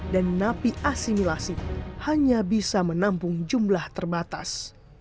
dan napi asimilasi hanya bisa menampung jumlah termatas